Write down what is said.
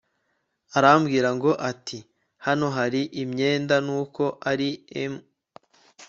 aramubwira ngo ati hano hari imyenda nuko ari m